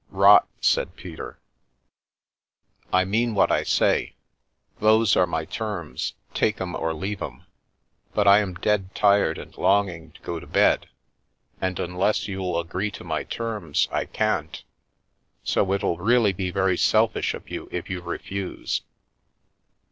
" Rot !" said Peter. " I mean what I say. Those are my terms ; take 'em or leave 'em. But I am dead tired and longing to go to bed, and unless you'll agree to my terms I can't, so it'll really be very selfish of you if you refuse."